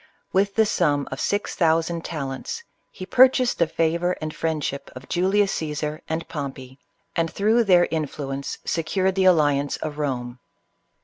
With the sum of MX thousand talents he purchased the favor and friendship of Julius Caesar M CLEOPATRA. and Pompey, and through their influence secured the alliance of Eome.